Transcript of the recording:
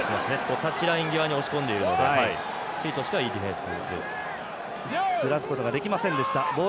タッチライン際に押し込んでいるのでチリとしては、いいディフェンス。